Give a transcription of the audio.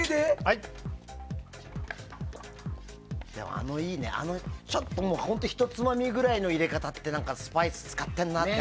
あのほんとひとつまみぐらいの入れ方ってスパイス使ってるなっていう。